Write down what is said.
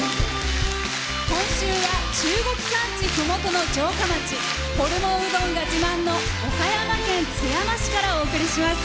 今週は中国山地ふもとの城下町ホルモンうどんが自慢の岡山県津山市からお送りします。